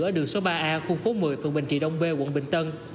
ở đường số ba a khu phố một mươi phường bình trị đông bê quận bình tân